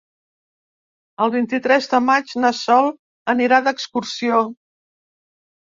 El vint-i-tres de maig na Sol anirà d'excursió.